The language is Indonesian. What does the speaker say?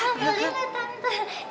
ah boleh nggak tante